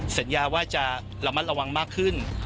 สัญญาว่าจะระมัดระวังมากขึ้น